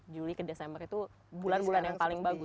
juli ke desember itu bulan bulan yang paling bagus